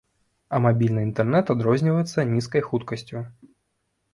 А мабільны інтэрнэт адрозніваецца нізкай хуткасцю.